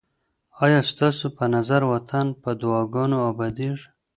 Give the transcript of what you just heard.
آیا ستاسو په نظر وطن په دعاګانو اباديږي؟